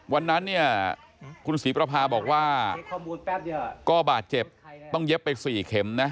วันนั้นเนี่ยคุณศรีประพาบอกว่าก็บาดเจ็บต้องเย็บไป๔เข็มนะ